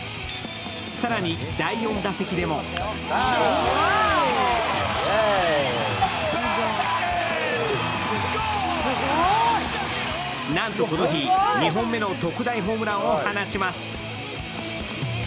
更に第４打席でもなんと、この日２本目の特大ホームランを放ちます